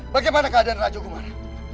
bagaimana keadaan raja gumara